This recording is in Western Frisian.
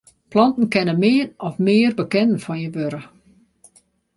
Planten kinne min of mear bekenden fan je wurde.